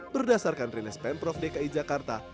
berdasarkan rilis pemprov dki jakarta